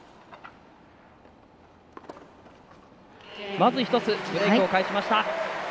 まず１つブレークを返した。